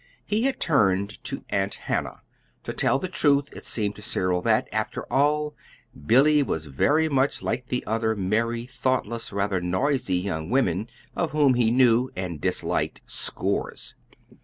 He had turned to Aunt Hannah. To tell the truth, it seemed to Cyril that, after all, Billy was very much like other merry, thoughtless, rather noisy young women, of whom he knew and disliked scores.